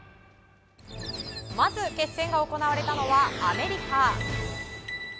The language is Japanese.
まず、決戦が行われたのはアメリカ。